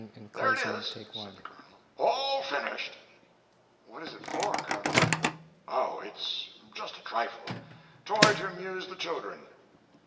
"There it is," said the Colonel, "all finished." "What is it for, Colonel?" "Oh, it's just a trifle. Toy to amuse the children."